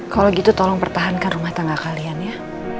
kalau gitu tolong pertahankan rumah tangga kalian ya